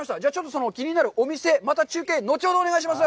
その気になるお店、また中継、後ほどお願いします。